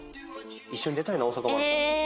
一緒に出たいな大阪マラソン。